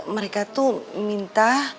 mereka tuh minta